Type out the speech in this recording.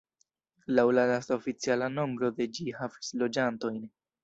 Laŭ la lasta oficiala nombro de ĝi havis loĝantojn.